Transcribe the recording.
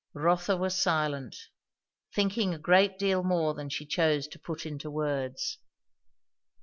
Rotha was silent, thinking a great deal more than she chose to put into words.